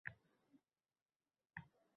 Mening variantim quyidagicha